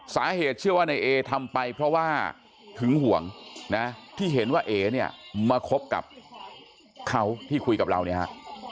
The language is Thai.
เชื่อว่านายเอทำไปเพราะว่าหึงห่วงนะที่เห็นว่าเอเนี่ยมาคบกับเขาที่คุยกับเราเนี่ยฮะ